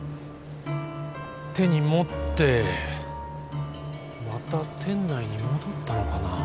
手に持ってまた店内に戻ったのかなぁ。